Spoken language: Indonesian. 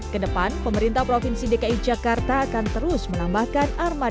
kedepan pemerintah provinsi dki jakarta akan terus menambahkan armada